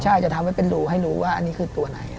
ใช่จะทำให้เป็นรูให้รู้ว่าอันนี้คือตัวไหน